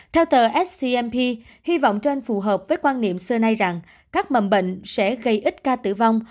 theo tờ scmp hy vọng trên phù hợp với quan niệm xưa nay rằng các mầm bệnh sẽ gây ít ca tử vong